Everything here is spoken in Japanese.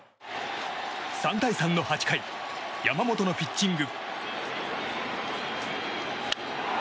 ３対３の８回山本のピッチング。